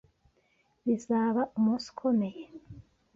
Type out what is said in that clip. Bizaba umunsi ukomeye.